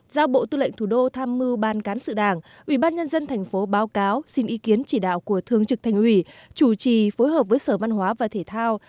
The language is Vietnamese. giao bộ tư lệnh thủ đô tham mưu ban cán sự đảng ủy ban nhân dân thành phố báo cáo xin ý kiến chỉ đạo của thương trực thành ủy chủ trì phối hợp với sở văn hóa và thể thao